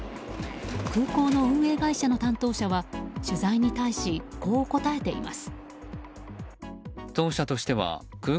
空港の運営会社の担当者は取材に対しこう答えています。